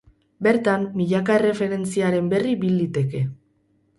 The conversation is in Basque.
Bertan, milaka erreferentziaren berri bil liteke.